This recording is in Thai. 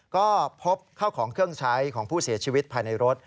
ก็พบข้าวของเครื่องใช้ของผู้เสียชีวิตภายในรถ